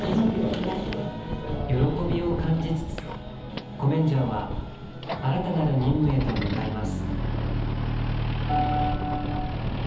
喜びを感じつつコメンジャーは新たなる任務へと向かいます。